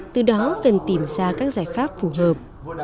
từ đó cần tìm ra các giải pháp phù hợp